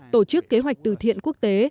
tổ chức kế hoạch từ thiện quốc tế